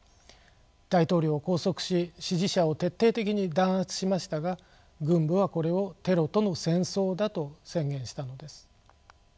大統領を拘束し支持者を徹底的に弾圧しましたが軍部はこれを「テロとの戦争」だと宣言したのです。